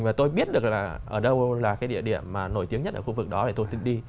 và tôi biết được là ở đâu là cái địa điểm mà nổi tiếng nhất ở khu vực đó để tôi từng đi